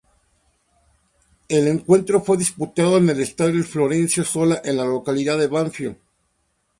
El encuentro fue disputado en el Estadio Florencio Sola, en la localidad de Banfield.